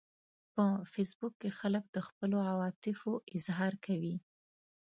په فېسبوک کې خلک د خپلو عواطفو اظهار کوي